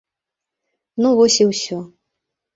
Ну вось і ўсе.